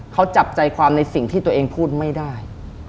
เขาจับใจความในสิ่งที่ตัวเองพูดไม่ได้